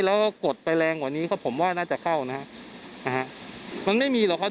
แล้วก็กดไปแรงกว่านี้ก็ผมว่าน่าจะเข้านะฮะนะฮะมันไม่มีหรอกครับ